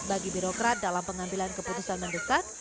bagi birokrat dalam pengambilan keputusan mendesak